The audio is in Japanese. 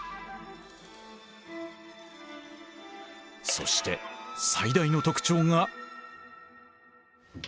そして最大の特徴が。